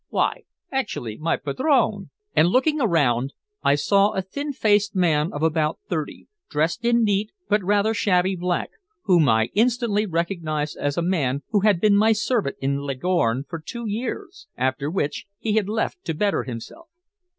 why, actually, my padrone!" And looking round, I saw a thin faced man of about thirty, dressed in neat but rather shabby black, whom I instantly recognized as a man who had been my servant in Leghorn for two years, after which he had left to better himself.